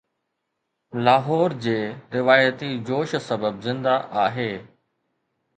لاهور جي روايتي جوش سبب زنده آهي